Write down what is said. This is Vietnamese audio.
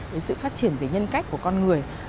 đến sự phát triển về nhân cách của con người